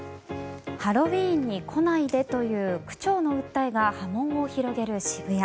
ハロウィーンに来ないでという区長の訴えが波紋を広げる渋谷。